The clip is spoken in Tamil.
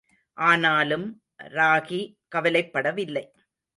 ஆனாலும், ராகி கவலைப்படவில்லை.